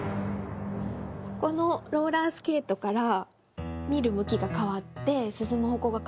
ここのローラースケートから見る向きが変わって。